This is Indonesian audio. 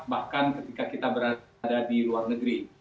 bahkan ketika kita berada di luar negeri